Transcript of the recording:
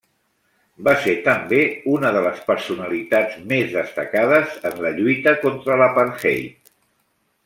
Va ser també una de les personalitats més destacades en la lluita contra l'apartheid.